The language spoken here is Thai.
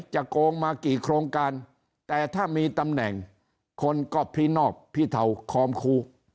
โกงมากี่โครงการแต่ถ้ามีตำแหน่งคนก็พินอบพิเทาคอมคู